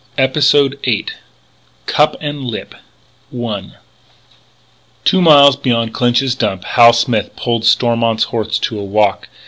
EPISODE EIGHT CUP AND LIP I Two miles beyond Clinch's Dump, Hal Smith pulled Stormont's horse to a walk.